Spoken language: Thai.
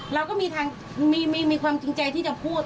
เราก็มีความจริงใจที่จะพูด